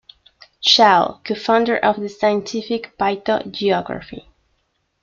Schouw, co-founder of the scientific phytogeography.